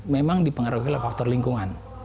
memang dipengaruhi oleh faktor lingkungan